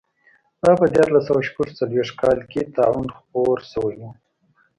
دا په دیارلس سوه شپږ څلوېښت کال کې طاعون خپور شوی و.